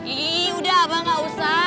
ih udah abah gak usah